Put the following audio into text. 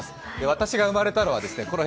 私が生まれたのはこの辺。